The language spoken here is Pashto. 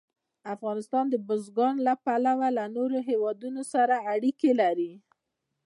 افغانستان د بزګان له پلوه له نورو هېوادونو سره اړیکې لري.